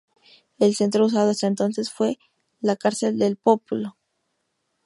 El centro usado hasta entonces fue la cárcel del Pópulo.